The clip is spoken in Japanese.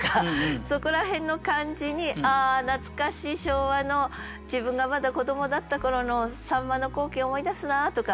そこら辺の感じに「あ懐かしい昭和の自分がまだ子どもだった頃の秋刀魚の光景思い出すな」とか。